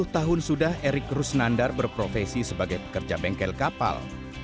sepuluh tahun sudah erik rusnandar berprofesi sebagai pekerja bengkel kapal